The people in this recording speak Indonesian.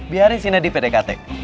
biarin sih nadif pdkt